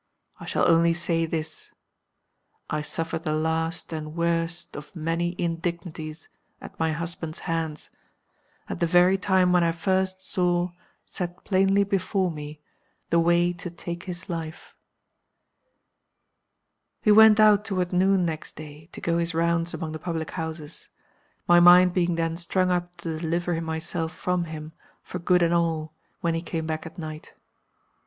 I shall only say this. I suffered the last and worst of many indignities at my husband's hands at the very time when I first saw, set plainly before me, the way to take his life. He went out toward noon next day, to go his rounds among the public houses; my mind being then strung up to deliver myself from him, for good and all, when he came back at night.